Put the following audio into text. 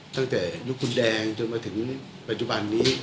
ตั้งแต่ยุคคุณแดงจนมาถึงปัจจุบันนี้